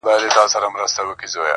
بس ور پاته دا یو نوم یو زوړ ټغر دی-